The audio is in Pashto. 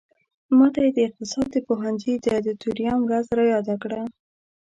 ماته یې د اقتصاد پوهنځي د ادیتوریم ورځ را یاده کړه.